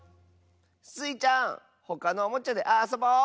スイちゃんほかのおもちゃであそぼう！